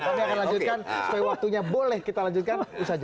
karena kita harus berikun lupa